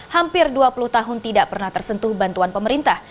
hampir dua puluh tahun tidak pernah tersentuh bantuan pemerintah